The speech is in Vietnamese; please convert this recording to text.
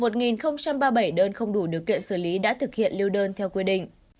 một ba mươi bảy đơn không đủ điều kiện xử lý đã thực hiện lưu đơn theo quy định